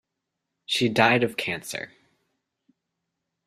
She died of cancer.